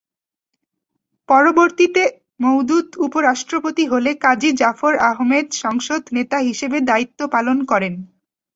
পরবর্তীতে মওদুদ উপরাষ্ট্রপতি হলে কাজী জাফর আহমেদ সংসদ নেতা হিসেবে দায়িত্ব পালন করেন।